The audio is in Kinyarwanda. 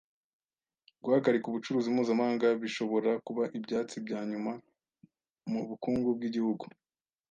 Guhagarika ubucuruzi mpuzamahanga bishobora kuba ibyatsi byanyuma mubukungu bwigihugu.